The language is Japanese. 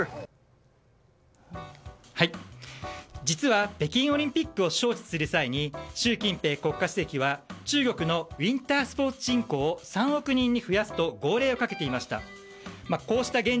実は北京オリンピックを招致する際に習近平国家主席は中国のウィンタースポーツ人口を３億人に増やすと号令をかけていました。